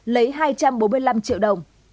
lấy hai trăm bốn mươi năm triệu đồng